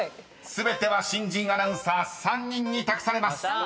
［全ては新人アナウンサー３人に託されます］